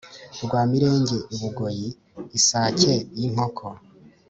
Rwamirenge i Bugoyi-Isake y'inkoko.